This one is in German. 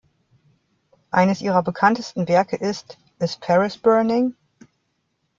Eines ihrer bekanntesten Werke ist "Is Paris Burning?